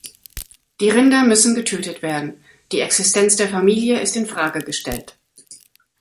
Die Rinder müssen getötet werden, die Existenz der Familie ist in Frage gestellt.